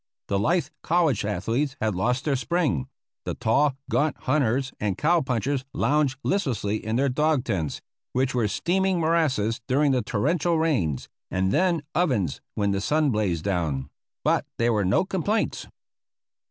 The lithe college athletes had lost their spring; the tall, gaunt hunters and cow punchers lounged listlessly in their dog tents, which were steaming morasses during the torrential rains, and then ovens when the sun blazed down; but there were no complaints.